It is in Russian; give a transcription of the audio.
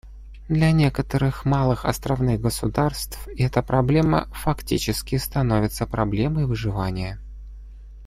Для некоторых малых островных государств эта проблема, фактически, становится проблемой выживания.